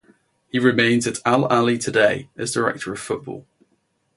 He remains at Al Ahli today as Director of Football.